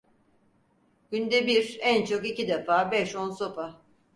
Günde, bir, en çok iki defa beş on sopa…